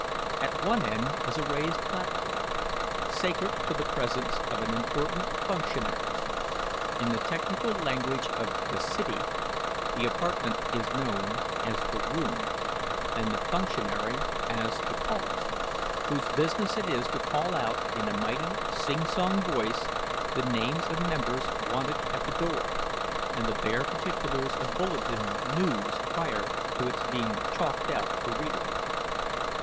At one end is a raised platform, sacred to the presence of an important functionary. In the technical language of the "City," the apartment is known as the "Room," and the functionary, as the "Caller," whose business it is to call out in a mighty sing song voice the names of members wanted at the door, and the bare particulars of bulletin news prior to its being chalked out for reading.